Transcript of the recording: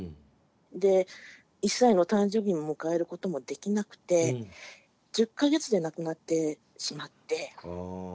で１歳の誕生日も迎えることもできなくて１０か月で亡くなってしまって。